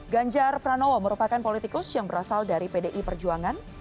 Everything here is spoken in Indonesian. ganjar pranowo merupakan politikus yang berasal dari pdi perjuangan